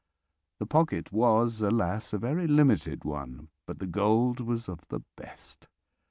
The pocket was, alas, a very limited one, but the gold was of the best.